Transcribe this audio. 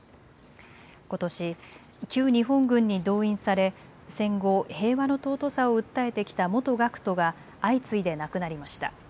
ことし旧日本軍に動員され戦後、平和の尊さを訴えてきた元学徒が相次いで亡くなりました。